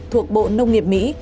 thuộc bộ nông nghiệp mỹ